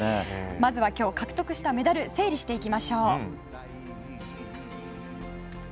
まずは今日獲得したメダルを整理していきましょう。